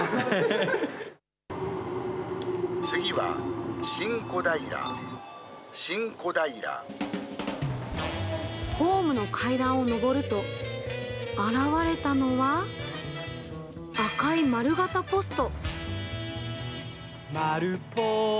次は新小平、ホームの階段を上ると、現れたのは、赤い丸型ポスト。